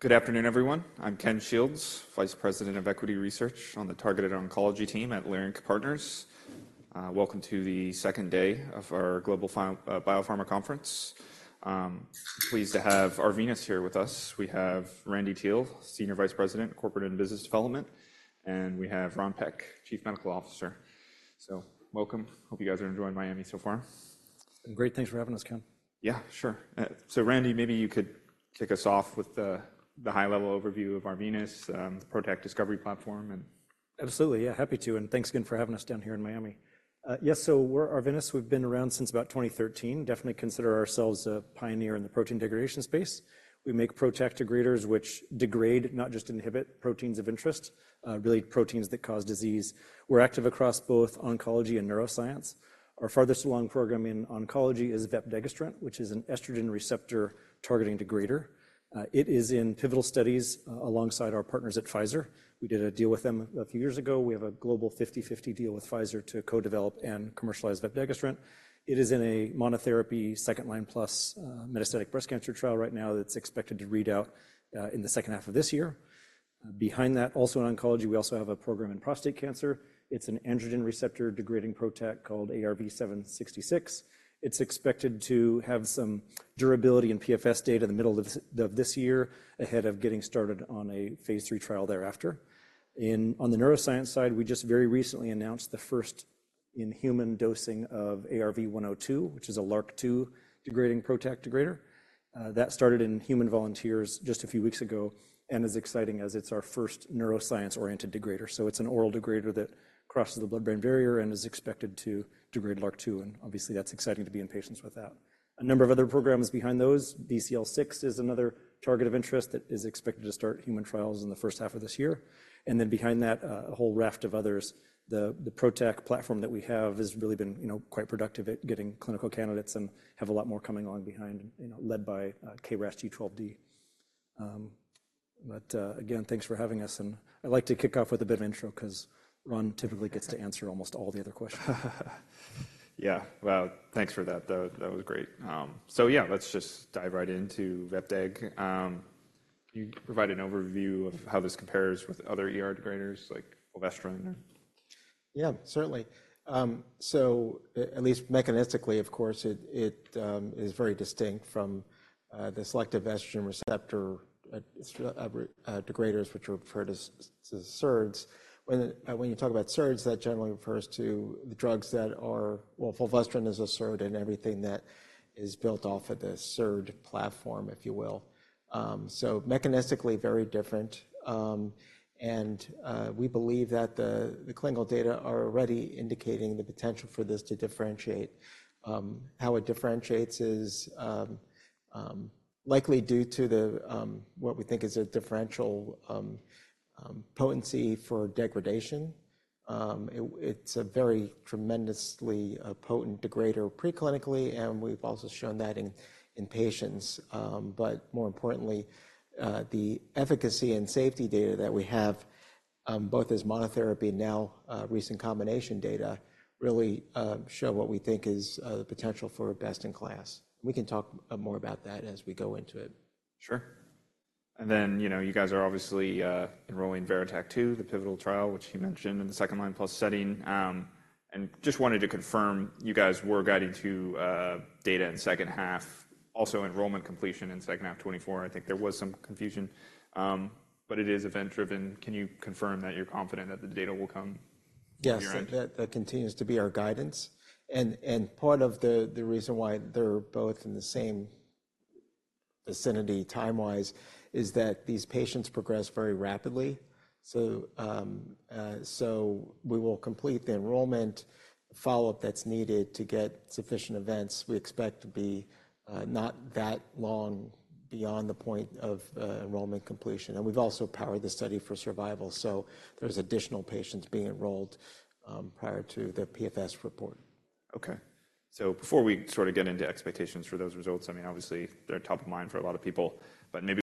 Good afternoon, everyone. I'm Ken Shields, Vice President of Equity Research on the Targeted Oncology Team at Leerink Partners. Welcome to the second day of our Global Biopharma Conference. Pleased to have Arvinas here with us. We have Randy Teel, Senior Vice President, Corporate and Business Development, and we have Ron Peck, Chief Medical Officer. So welcome. Hope you guys are enjoying Miami so far. Great. Thanks for having us, Ken. Yeah, sure. So Randy, maybe you could kick us off with the high-level overview of Arvinas, the PROTAC discovery platform and- Absolutely. Yeah, happy to, and thanks again for having us down here in Miami. Yes, so we're Arvinas. We've been around since about 2013. Definitely consider ourselves a pioneer in the protein degradation space. We make PROTAC degraders, which degrade, not just inhibit, proteins of interest, really proteins that cause disease. We're active across both oncology and neuroscience. Our farthest along program in oncology is vepdegestrant, which is an estrogen receptor targeting degrader. It is in pivotal studies, alongside our partners at Pfizer. We did a deal with them a few years ago. We have a global 50/50 deal with Pfizer to co-develop and commercialize vepdegestrant. It is in a monotherapy, second-line-plus, metastatic breast cancer trial right now that's expected to read out, in the second half of this year. Behind that, also in oncology, we also have a program in prostate cancer. It's an androgen receptor degrading PROTAC called ARV-766. It's expected to have some durability in PFS data in the middle of of this year, ahead of getting started on a phase III trial thereafter. On the neuroscience side, we just very recently announced the first in-human dosing of ARV-102, which is a LRRK2 degrading PROTAC degrader. That started in human volunteers just a few weeks ago and is exciting as it's our first neuroscience-oriented degrader. So it's an oral degrader that crosses the blood-brain barrier and is expected to degrade LRRK2, and obviously, that's exciting to be in patients with that. A number of other programs behind those, BCL6 is another target of interest that is expected to start human trials in the first half of this year. And then behind that, a whole raft of others. The PROTAC platform that we have has really been, you know, quite productive at getting clinical candidates and have a lot more coming on behind, you know, led by KRAS G12D. But again, thanks for having us, and I'd like to kick off with a bit of intro 'cause Ron typically gets to answer almost all the other questions. Yeah. Well, thanks for that, though. That was great. So yeah, let's just dive right into Vepdegestrant. You provide an overview of how this compares with other ER degraders, like Fulvestrant? Yeah, certainly. So at least mechanistically, of course, it is very distinct from the selective estrogen receptor degraders, which are referred to as SERDs. When you talk about SERDs, that generally refers to the drugs that are. Well, fulvestrant is a SERD and everything that is built off of the SERD platform, if you will. So mechanistically very different, and we believe that the clinical data are already indicating the potential for this to differentiate. How it differentiates is likely due to what we think is a differential potency for degradation. It is a very tremendously potent degrader preclinically, and we've also shown that in patients. But more importantly, the efficacy and safety data that we have, both as monotherapy and now recent combination data, really show what we think is the potential for best-in-class. We can talk more about that as we go into it. Sure. Then, you know, you guys are obviously enrolling VERITAC-2, the pivotal trial, which you mentioned in the second-line-plus setting. Just wanted to confirm, you guys were guiding to data in second half, also enrollment completion in second half 2024. I think there was some confusion, but it is event-driven. Can you confirm that you're confident that the data will come on your end? Yes, that continues to be our guidance, and part of the reason why they're both in the same vicinity time-wise is that these patients progress very rapidly. So, we will complete the enrollment follow-up that's needed to get sufficient events. We expect to be not that long beyond the point of enrollment completion, and we've also powered the study for survival, so there's additional patients being enrolled prior to the PFS report. Okay. So before we sort of get into expectations for those results, I mean, obviously, they're top of mind for a lot of people, but maybe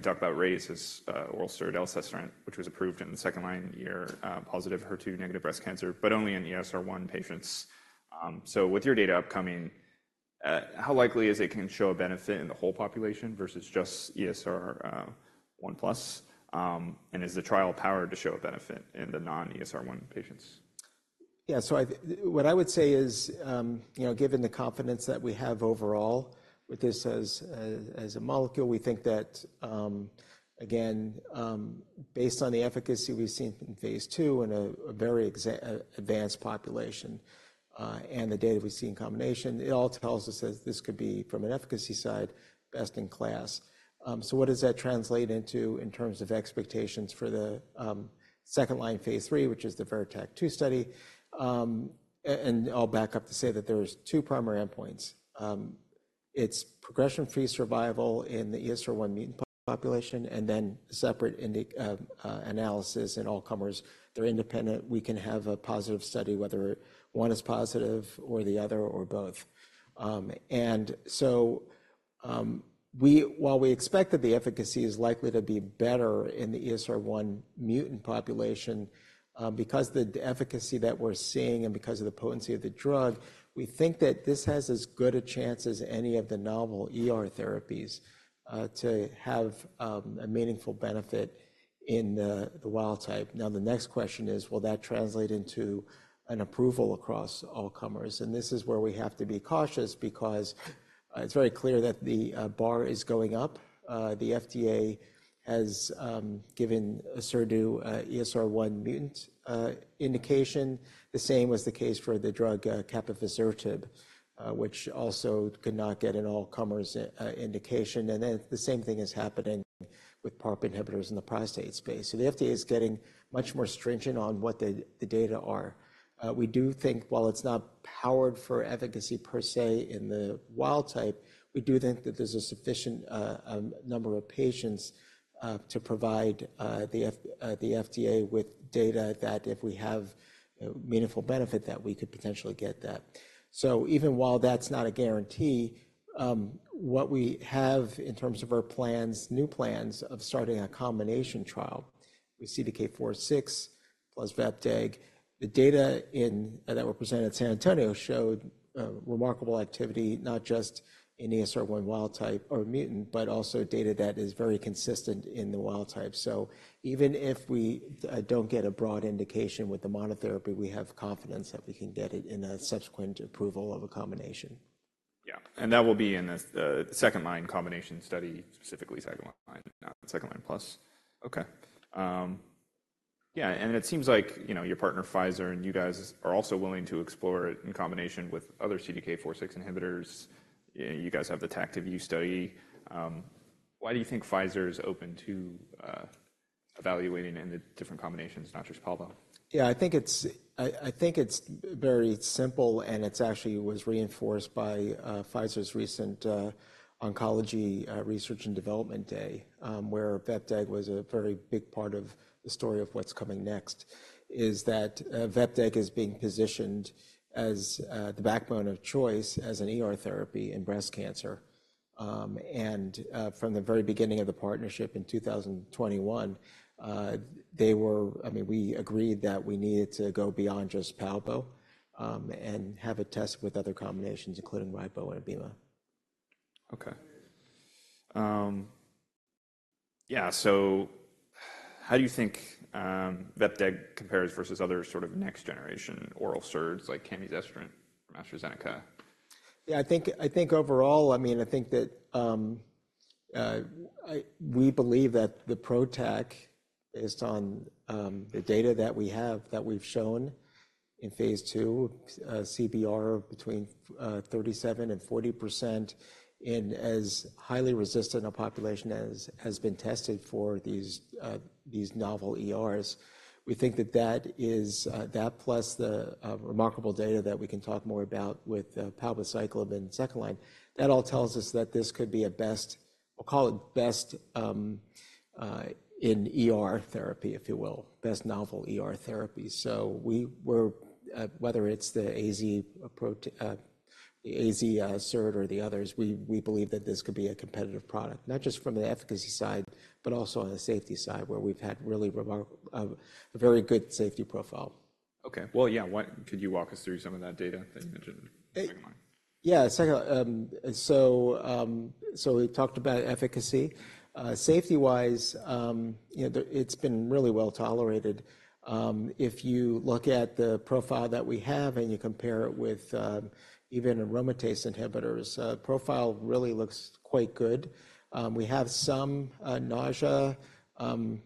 we can talk about Radius's oral SERD elacestrant, which was approved in the second-line ER+, HER2-negative breast cancer, but only in ESR1 patients. So with your data upcoming, how likely is it can show a benefit in the whole population versus just ESR1+? And is the trial powered to show a benefit in the non-ESR1 patients? Yeah, so what I would say is, you know, given the confidence that we have overall with this as a molecule, we think that, again, based on the efficacy we've seen from phase II and a very advanced population, and the data we see in combination, it all tells us that this could be, from an efficacy side, best in class. So what does that translate into in terms of expectations for the second-line phase III, which is the VERITAC-2 study? And I'll back up to say that there's two primary endpoints. It's progression-free survival in the ESR1 mutant population, and then separate in the analysis in all comers. They're independent. We can have a positive study, whether one is positive or the other or both. And so, while we expect that the efficacy is likely to be better in the ESR1 mutant population, because the efficacy that we're seeing and because of the potency of the drug, we think that this has as good a chance as any of the novel ER therapies to have a meaningful benefit in the wild type. Now, the next question is, will that translate into an approval across all comers? And this is where we have to be cautious because it's very clear that the bar is going up. The FDA has given a SERD ESR1 mutant indication. The same was the case for the drug capivasertib, which also could not get an all-comers indication. And then the same thing is happening with PARP inhibitors in the prostate space. So the FDA is getting much more stringent on what the data are. We do think while it's not powered for efficacy per se in the wild type, we do think that there's a sufficient number of patients to provide the FDA with data that if we have a meaningful benefit, that we could potentially get that. So even while that's not a guarantee, what we have in terms of our plans, new plans of starting a combination trial with CDK4/6 plus vepdegestrant. The data that were presented at San Antonio showed remarkable activity, not just in ESR1 wild type or mutant, but also data that is very consistent in the wild type. So even if we don't get a broad indication with the monotherapy, we have confidence that we can get it in a subsequent approval of a combination. Yeah, and that will be in the second-line combination study, specifically second-line, not second-line plus. Okay. Yeah, and it seems like, you know, your partner, Pfizer, and you guys are also willing to explore it in combination with other CDK4/6 inhibitors. You guys have the TACTIVE-U study. Why do you think Pfizer is open to evaluating in the different combinations, not just palbo? Yeah, I think it's very simple, and it's actually was reinforced by Pfizer's recent Oncology Research and Development Day, where vepdegestrant was a very big part of the story of what's coming next, is that vepdegestrant is being positioned as the backbone of choice as an ER therapy in breast cancer. And from the very beginning of the partnership in 2021, they were I mean, we agreed that we needed to go beyond just palbo, and have a test with other combinations, including Ribo and Abema. Okay. Yeah, so how do you think, vepdegestrant compares versus other sort of next-generation oral SERDs, like camizestrant from AstraZeneca? Yeah, I think, I think overall, I mean, I think that, we believe that the PROTAC, based on, the data that we have, that we've shown in phase II, CBR between 37% and 40% in as highly resistant a population as has been tested for these, these novel ERs. We think that that is, that plus the, remarkable data that we can talk more about with, palbociclib and second line, that all tells us that this could be a best—we'll call it best, in ER therapy, if you will, best novel ER therapy. So we were whether it's the AZ approach, AZ SERD or the others, we, we believe that this could be a competitive product, not just from the efficacy side, but also on the safety side, where we've had really remarkable, a very good safety profile. Okay. Well, yeah, what could you walk us through some of that data that you mentioned in second line? Yeah, second, so we talked about efficacy. Safety-wise, you know, it's been really well tolerated. If you look at the profile that we have, and you compare it with even aromatase inhibitors, profile really looks quite good. We have some nausea, and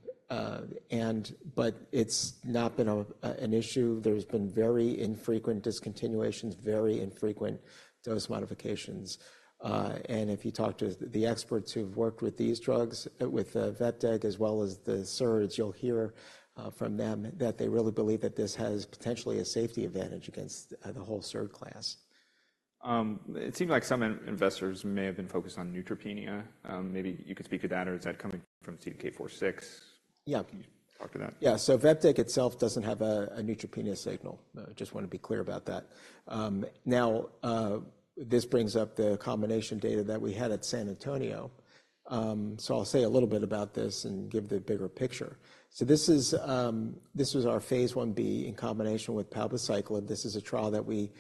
but it's not been an issue. There's been very infrequent discontinuations, very infrequent dose modifications, and if you talk to the experts who've worked with these drugs, with vepdegestrant as well as the SERDs, you'll hear from them that they really believe that this has potentially a safety advantage against the whole SERD class. It seemed like some investors may have been focused on neutropenia. Maybe you could speak to that, or is that coming from CDK4/6? Yeah. Can you talk to that? Yeah. So vepdegestrant itself doesn't have a neutropenia signal. Just wanna be clear about that. Now, this brings up the combination data that we had at San Antonio. So I'll say a little bit about this and give the bigger picture. So this is, this was our phase Ib in combination with palbociclib. This is a trial that we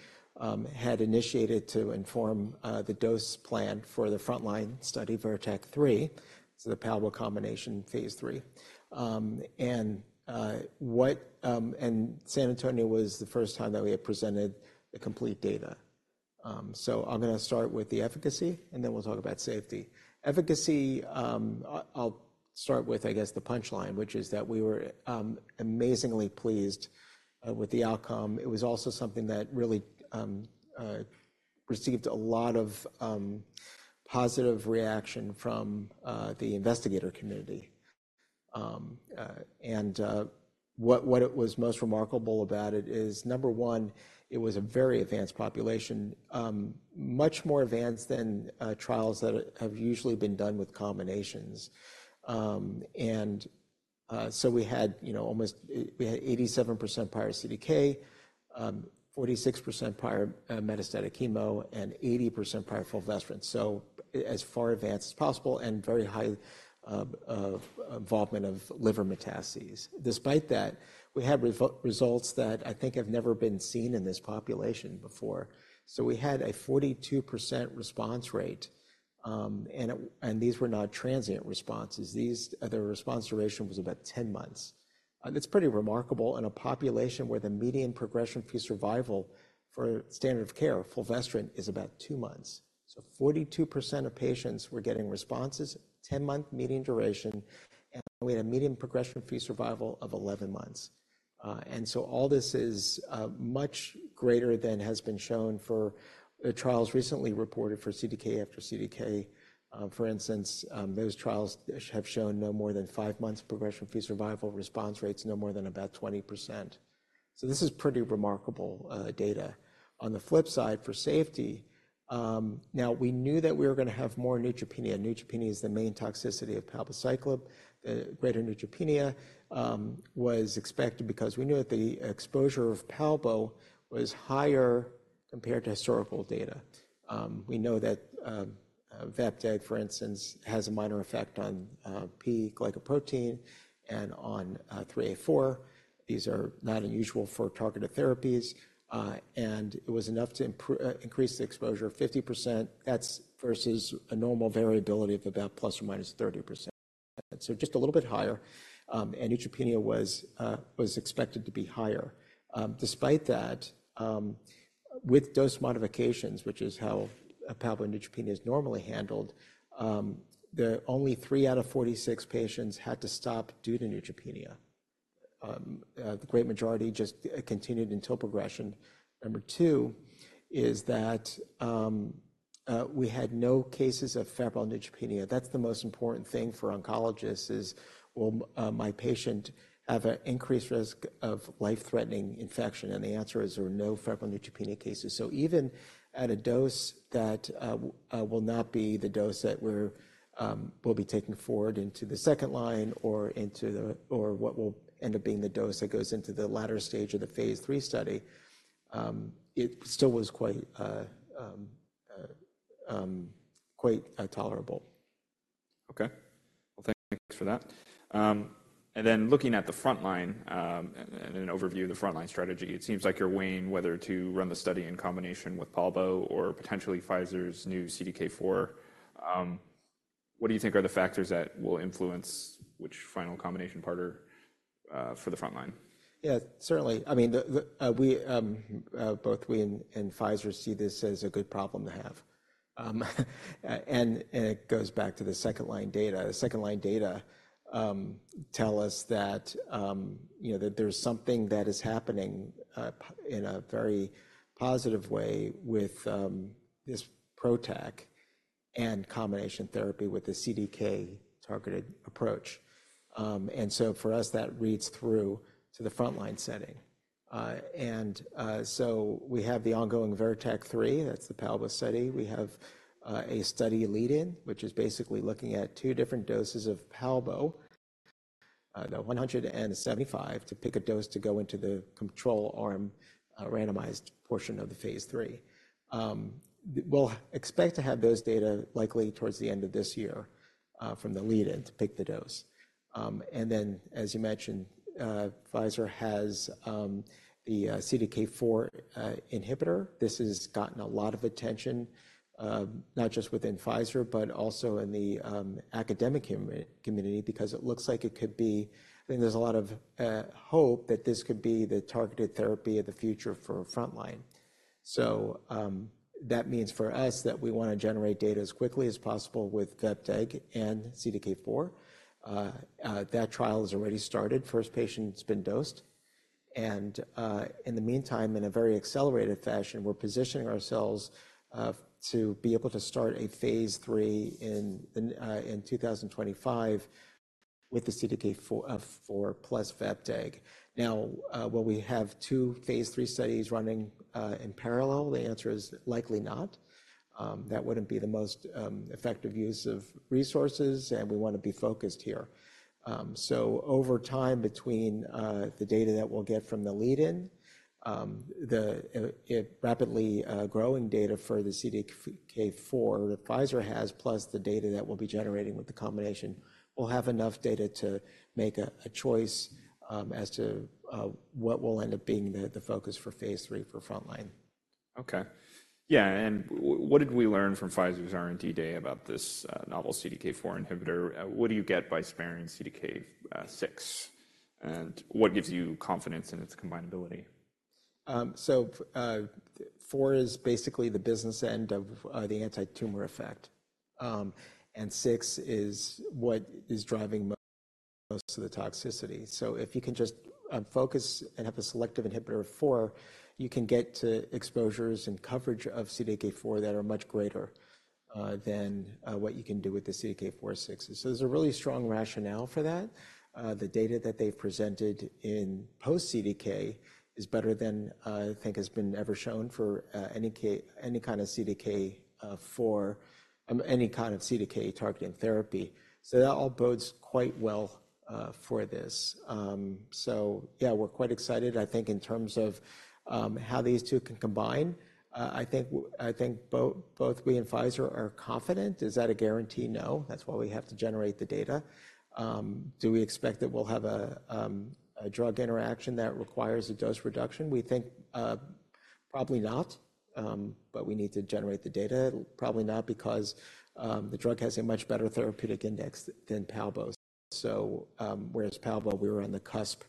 had initiated to inform the dose plan for the frontline study, VERITAC-3, so the palbo combination, phase III. And San Antonio was the first time that we had presented the complete data. So I'm gonna start with the efficacy, and then we'll talk about safety. Efficacy, I'll start with, I guess, the punchline, which is that we were amazingly pleased with the outcome. It was also something that really received a lot of positive reaction from the investigator community. And what it was most remarkable about it is, number one, it was a very advanced population, much more advanced than trials that have usually been done with combinations. And so we had, you know, we had 87% prior CDK, 46% prior metastatic chemo, and 80% prior fulvestrant. So as far advanced as possible and very high involvement of liver metastases. Despite that, we had results that I think have never been seen in this population before. So we had a 42% response rate, and these were not transient responses. These, the response duration was about 10 months. It's pretty remarkable in a population where the median progression-free survival for standard of care, fulvestrant is about 2 months. 42% of patients were getting responses, 10-month median duration, and we had a median progression-free survival of 11 months. All this is much greater than has been shown for trials recently reported for CDK after CDK. For instance, those trials have shown no more than 5 months progression-free survival, response rates no more than about 20%. This is pretty remarkable data. On the flip side, for safety, now we knew that we were going to have more neutropenia. Neutropenia is the main toxicity of palbociclib. The greater neutropenia was expected because we knew that the exposure of palbo was higher compared to historical data. We know that VEPDEG, for instance, has a minor effect on P-glycoprotein and on 3A4. These are not unusual for targeted therapies, and it was enough to increase the exposure 50%. That's versus a normal variability of about ±30%. So just a little bit higher, and neutropenia was expected to be higher. Despite that, with dose modifications, which is how a palbo neutropenia is normally handled, only three out of 46 patients had to stop due to neutropenia. The great majority just continued until progression. Number two is that we had no cases of febrile neutropenia. That's the most important thing for oncologists is, will my patient have an increased risk of life-threatening infection? And the answer is there were no febrile neutropenia cases. So even at a dose that will not be the dose that we will be taking forward into the second line or what will end up being the dose that goes into the latter stage of the Phase III study, it still was quite tolerable. Okay. Well, thanks for that. And then looking at the frontline, an overview of the frontline strategy, it seems like you're weighing whether to run the study in combination with palbo or potentially Pfizer's new CDK4. What do you think are the factors that will influence which final combination partner for the frontline? Yeah, certainly. I mean, both we and Pfizer see this as a good problem to have. And it goes back to the second-line data. The second-line data tell us that, you know, that there's something that is happening in a very positive way with this PROTAC and combination therapy with the CDK-targeted approach. And so for us, that reads through to the frontline setting. And so we have the ongoing VERITAC-3, that's the palbo study. We have a study lead-in, which is basically looking at two different doses of palbo, the 175, to pick a dose to go into the control arm, randomized portion of the Phase III. We'll expect to have those data likely towards the end of this year from the lead-in to pick the dose. And then, as you mentioned, Pfizer has the CDK4 inhibitor. This has gotten a lot of attention, not just within Pfizer, but also in the academic community, because it looks like it could be—I think there's a lot of hope that this could be the targeted therapy of the future for frontline. So, that means for us that we want to generate data as quickly as possible with vepdegestrant and CDK4. That trial has already started. First patient's been dosed, and in the meantime, in a very accelerated fashion, we're positioning ourselves to be able to start a phase III in 2025 with the CDK4/6 plus vepdegestrant. Now, will we have two phase III studies running in parallel? The answer is likely not. That wouldn't be the most effective use of resources, and we want to be focused here. So over time, between the data that we'll get from the lead-in, the rapidly growing data for the CDK4/6 that Pfizer has, plus the data that we'll be generating with the combination, we'll have enough data to make a choice as to what will end up being the focus for phase III for frontline. Okay. Yeah, and what did we learn from Pfizer's R&D day about this novel CDK4 inhibitor? What do you get by sparing CDK6? And what gives you confidence in its combinability? So, four is basically the business end of the anti-tumor effect. And six is what is driving most of the toxicity. So if you can just focus and have a selective inhibitor of four, you can get to exposures and coverage of CDK4 that are much greater than what you can do with the CDK4/6. So there's a really strong rationale for that. The data that they've presented in post-CDK is better than I think has been ever shown for any kind of CDK4-targeting therapy. So that all bodes quite well for this. So yeah, we're quite excited. I think in terms of how these two can combine, I think both we and Pfizer are confident. Is that a guarantee? No. That's why we have to generate the data. Do we expect that we'll have a drug interaction that requires a dose reduction? We think probably not, but we need to generate the data. Probably not, because the drug has a much better therapeutic index than palbociclib. So, whereas palbo, we were on the cusp,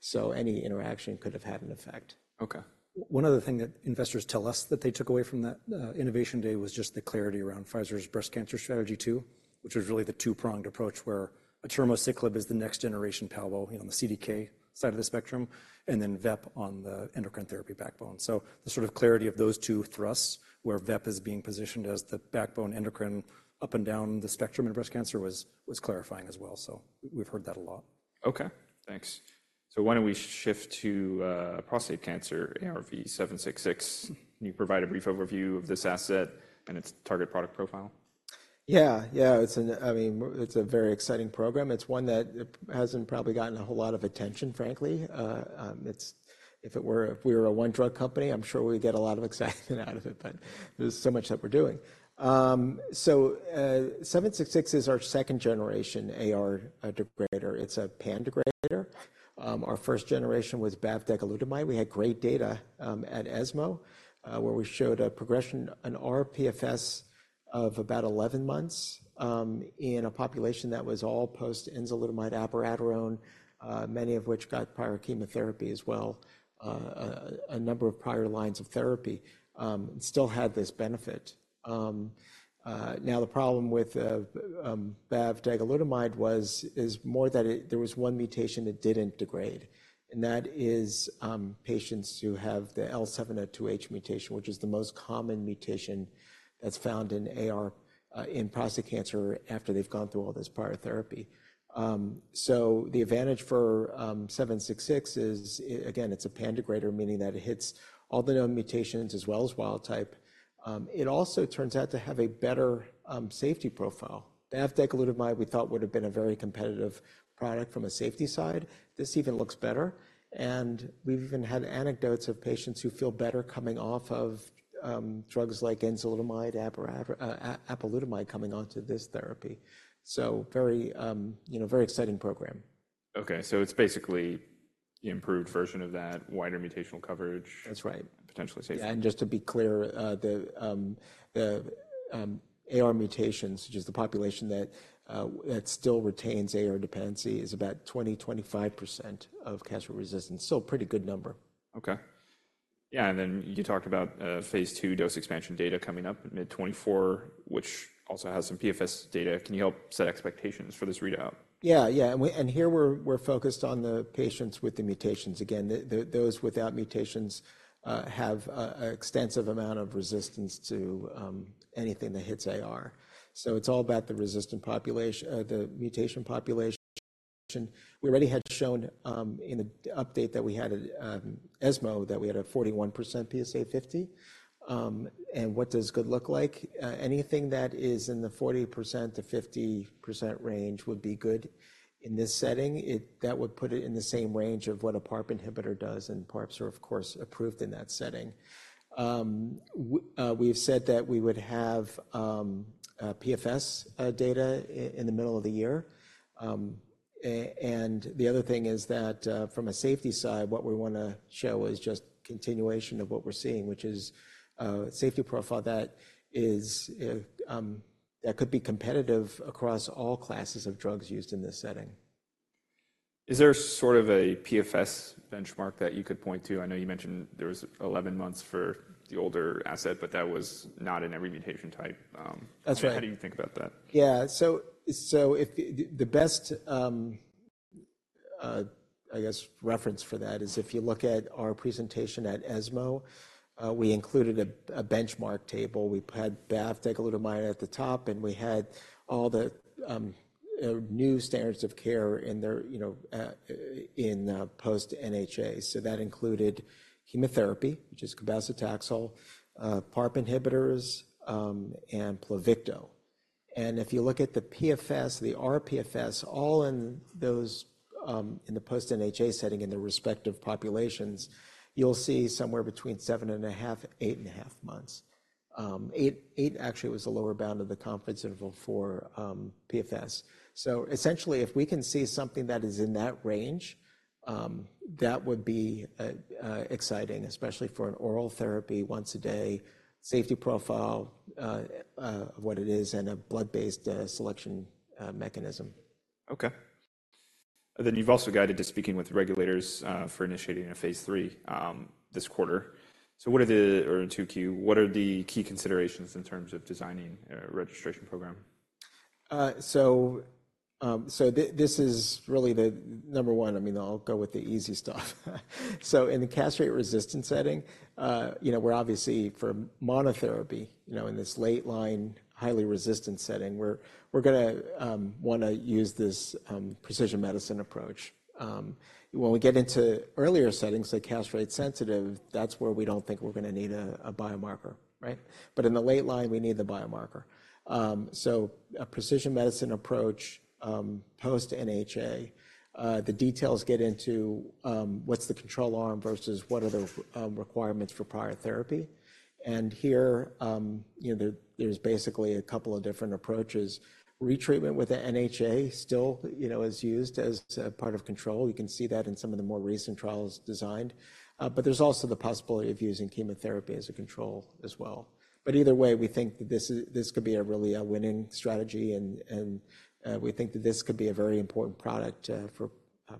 so any interaction could have had an effect. Okay. One other thing that investors tell us that they took away from that innovation day was just the clarity around Pfizer's breast cancer strategy, too, which was really the two-pronged approach, where atirmociclib is the next generation palbo, you know, on the CDK side of the spectrum, and then VEP on the endocrine therapy backbone. So the sort of clarity of those two thrusts, where VEP is being positioned as the backbone endocrine up and down the spectrum in breast cancer, was, was clarifying as well. So we've heard that a lot. Okay, thanks. So why don't we shift to prostate cancer, ARV-766. Can you provide a brief overview of this asset and its target product profile? Yeah. Yeah, I mean, it's a very exciting program. It's one that hasn't probably gotten a whole lot of attention, frankly. If we were a one-drug company, I'm sure we'd get a lot of excitement out of it, but there's so much that we're doing. ARV-766 is our second-generation AR degrader. It's a pan degrader. Our first generation was bavdegalutamide. We had great data at ESMO, where we showed a progression, an rPFS of about 11 months, in a population that was all post-enzalutamide abiraterone, many of which got prior chemotherapy as well. A number of prior lines of therapy still had this benefit. Now, the problem with bavdegalutamide was, is more that it—there was one mutation it didn't degrade, and that is patients who have the L702H mutation, which is the most common mutation that's found in AR in prostate cancer, after they've gone through all this prior therapy. So the advantage for 766 is, again, it's a pan degrader, meaning that it hits all the known mutations as well as wild type. It also turns out to have a better safety profile. Bavdegalutamide, we thought, would have been a very competitive product from a safety side. This even looks better, and we've even had anecdotes of patients who feel better coming off of drugs like enzalutamide, abiraterone, apalutamide, coming onto this therapy. So very, you know, very exciting program. Okay, so it's basically the improved version of that, wider mutational coverage- That's right. Potentially safer. Just to be clear, the AR mutations, which is the population that still retains AR dependency, is about 20%-25% of cancer resistance. Still a pretty good number. Okay. Yeah, and then you talked about phase two dose expansion data coming up in mid-2024, which also has some PFS data. Can you help set expectations for this readout? Yeah, yeah, and here, we're focused on the patients with the mutations. Again, those without mutations have an extensive amount of resistance to anything that hits AR. So it's all about the resistant population, the mutation population. We already had shown in the update that we had at ESMO that we had a 41% PSA50. And what does good look like? Anything that is in the 40%-50% range would be good in this setting. That would put it in the same range of what a PARP inhibitor does, and PARPs are, of course, approved in that setting. We've said that we would have PFS data in the middle of the year. And the other thing is that, from a safety side, what we wanna show is just continuation of what we're seeing, which is a safety profile that could be competitive across all classes of drugs used in this setting. Is there sort of a PFS benchmark that you could point to? I know you mentioned there was 11 months for the older asset, but that was not in every mutation type, That's right. So how do you think about that? Yeah. So if the best reference for that is if you look at our presentation at ESMO, we included a benchmark table. We had bavdegalutamide at the top, and we had all the new standards of care in there, you know, in post-NHA. So that included chemotherapy, which is cabazitaxel, PARP inhibitors, and Pluvicto. And if you look at the PFS, the rPFS, all in those in the post-NHA setting, in their respective populations, you'll see somewhere between 7.5-8.5 months. Eight, eight actually was the lower bound of the confidence interval for PFS. So essentially, if we can see something that is in that range, that would be exciting, especially for an oral therapy, once a day, safety profile, what it is, and a blood-based selection mechanism. Okay. Then you've also guided to speaking with regulators for initiating a phase 3 this quarter. So what are the or in 2Q, what are the key considerations in terms of designing a registration program? This is really the number one, I mean, I'll go with the easy stuff. So in the castrate-resistant setting, you know, we're obviously for monotherapy, you know, in this late-line, highly resistant setting, we're gonna wanna use this precision medicine approach. When we get into earlier settings, like castrate sensitive, that's where we don't think we're gonna need a biomarker, right? But in the late line, we need the biomarker. So a precision medicine approach, post-NHA, the details get into what's the control arm versus what are the requirements for prior therapy. And here, you know, there's basically a couple of different approaches. Retreatment with the NHA still, you know, is used as a part of control. You can see that in some of the more recent trials designed, but there's also the possibility of using chemotherapy as a control as well. But either way, we think that this could be a really winning strategy, and we think that this could be a very important product for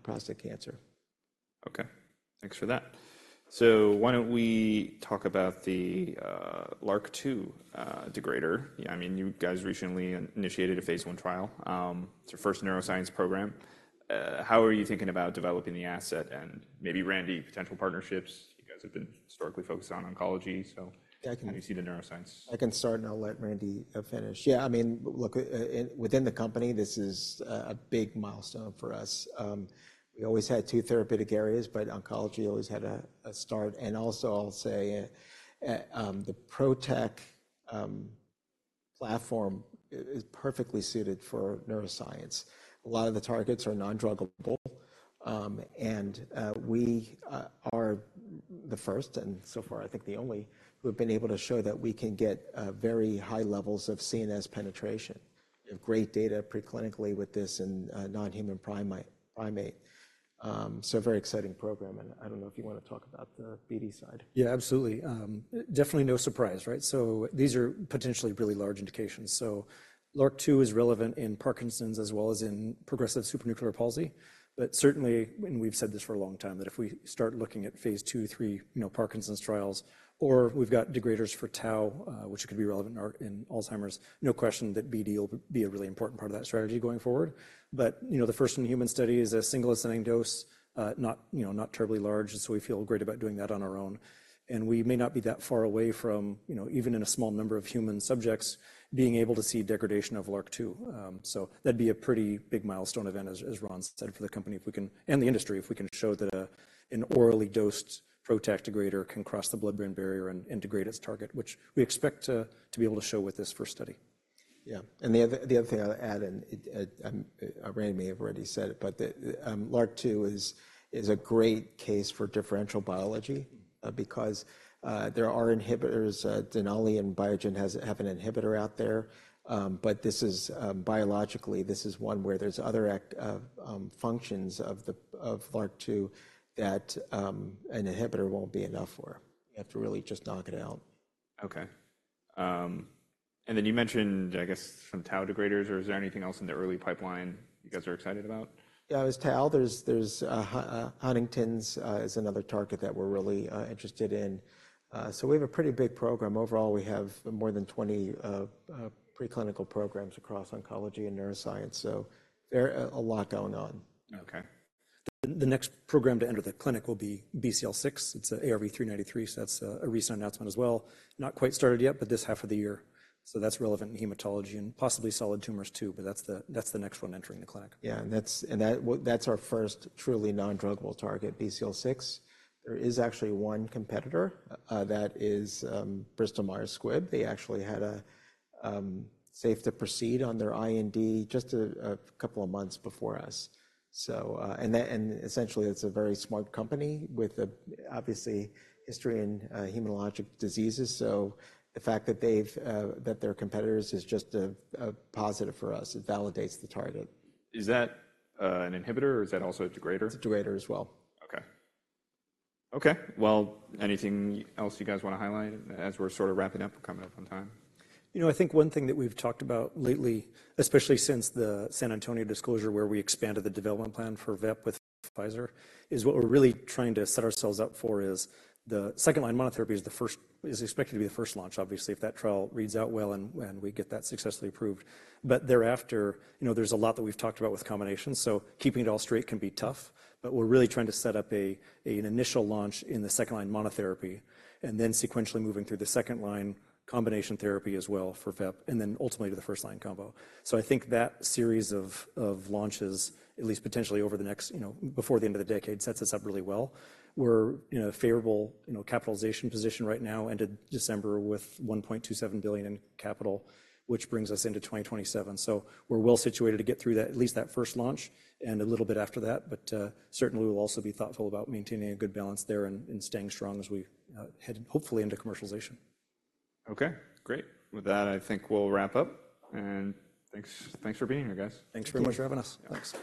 prostate cancer. Okay, thanks for that. So why don't we talk about the LRRK2 degrader? Yeah, I mean, you guys recently initiated a phase I trial. It's your first neuroscience program. How are you thinking about developing the asset, and maybe Randy, potential partnerships? You guys have been historically focused on oncology, so- Yeah, I can- How do you see the neuroscience? I can start, and I'll let Randy finish. Yeah, I mean, look, within the company, this is a big milestone for us. We always had two therapeutic areas, but oncology always had a start. And also, I'll say, the PROTAC platform is perfectly suited for neuroscience. A lot of the targets are non-druggable, and we are the first, and so far, I think the only, who have been able to show that we can get very high levels of CNS penetration. We have great data preclinically with this in non-human primate. So a very exciting program, and I don't know if you want to talk about the BD side. Yeah, absolutely. Definitely no surprise, right? So these are potentially really large indications. So LRRK2 is relevant in Parkinson's as well as in progressive supranuclear palsy. But certainly, and we've said this for a long time, that if we start looking at phase II, III, you know, Parkinson's trials, or we've got degraders for tau, which could be relevant in Alzheimer's, no question that BD will be a really important part of that strategy going forward. But, you know, the first-in-human study is a single ascending dose, you know, not terribly large, and so we feel great about doing that on our own. And we may not be that far away from, you know, even in a small number of human subjects, being able to see degradation of LRRK2. So that'd be a pretty big milestone event, as Ron said, for the company, if we can... and the industry, if we can show that an orally dosed PROTAC degrader can cross the blood-brain barrier and degrade its target, which we expect to be able to show with this first study. Yeah, and the other thing I'd add, and, Randy may have already said it, but the LRRK2 is a great case for differential biology, because there are inhibitors, Denali and Biogen have an inhibitor out there. But this is, biologically, this is one where there's other functions of the LRRK2 that an inhibitor won't be enough for. You have to really just knock it out. Okay. And then you mentioned, I guess, some tau degraders, or is there anything else in the early pipeline you guys are excited about? Yeah, there's tau. There's Huntington's, is another target that we're really interested in. So we have a pretty big program. Overall, we have more than 20 preclinical programs across oncology and neuroscience, so there are a lot going on. Okay. The next program to enter the clinic will be BCL6. It's an ARV-393, so that's a recent announcement as well. Not quite started yet, but this half of the year. So that's relevant in hematology and possibly solid tumors, too, but that's the next one entering the clinic. Yeah, and that's our first truly non-druggable target, BCL6. There is actually one competitor, that is, Bristol Myers Squibb. They actually had a safe to proceed on their IND just a couple of months before us. So, and essentially, it's a very smart company with an obviously history in hematologic diseases. So the fact that they've, that they're competitors is just a positive for us. It validates the target. Is that, an inhibitor, or is that also a degrader? It's a degrader as well. Okay. Okay, well, anything else you guys want to highlight as we're sort of wrapping up? We're coming up on time. You know, I think one thing that we've talked about lately, especially since the San Antonio disclosure, where we expanded the development plan for VEP with Pfizer, is what we're really trying to set ourselves up for is the second-line monotherapy is expected to be the first launch, obviously, if that trial reads out well, and we get that successfully approved. But thereafter, you know, there's a lot that we've talked about with combinations, so keeping it all straight can be tough. But we're really trying to set up an initial launch in the second-line monotherapy and then sequentially moving through the second-line combination therapy as well for VEP, and then ultimately to the first-line combo. So I think that series of launches, at least potentially over the next, you know, before the end of the decade, sets us up really well. We're in a favorable, you know, capitalization position right now, ended December with $1.27 billion in capital, which brings us into 2027. So we're well situated to get through that, at least that first launch and a little bit after that. But, certainly, we'll also be thoughtful about maintaining a good balance there and, and staying strong as we, head hopefully into commercialization. Okay, great. With that, I think we'll wrap up, and thanks, thanks for being here, guys. Thanks very much for having us. Thanks.